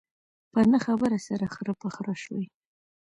په نه خبره سره خره په خره شوي.